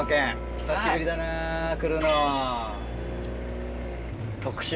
久しぶりだな来るの。